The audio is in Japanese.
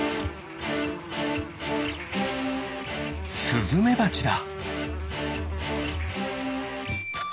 スズメバチだ。